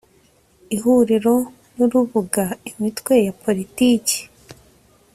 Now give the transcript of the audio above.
Ihuriro ni urubuga Imitwe ya Politiki